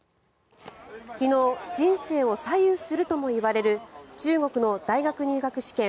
昨日人生を左右するともいわれる中国の大学入学試験